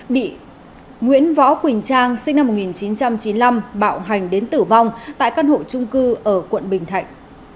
bị nguyễn võ quỳnh trang sinh năm một nghìn chín trăm chín mươi năm bạo hành đến tử vong tại căn hộ trung cư ở quận bình thạnh